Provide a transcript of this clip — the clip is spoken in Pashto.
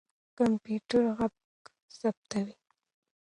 کمپيوټر ږغ ثبتوي.